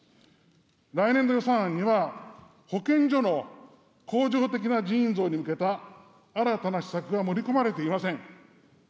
来年度予算案には、保健所の恒常的な人員増に向けた新たな施策が盛り込まれていません。